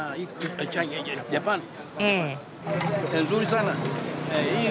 ええ。